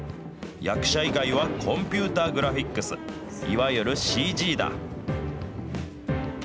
役者以外はコンピューターグラフィックス、いわゆるＣＧだ。